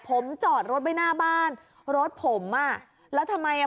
ผมจอดรถไว้หน้าบ้านรถผมอ่ะแล้วทำไมอ่ะ